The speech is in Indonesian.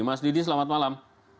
mas didi selamat malam